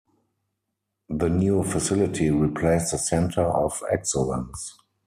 The new facility replaced the Centre of Excellence.